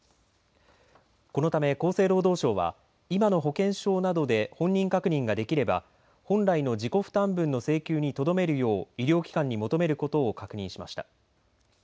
このため厚生労働省は今の保険証などで本人確認ができれば本来の自己負担分の請求にとどめるよう医療機関に求めることを確認しました。